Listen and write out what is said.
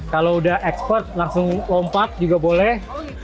kalau udah expert langsung lompat juga boleh